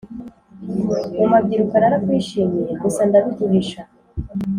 Mumabyiruka narakwishimiye gusa ndabiguhisha